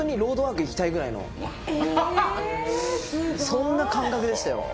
そんな感覚でしたよ。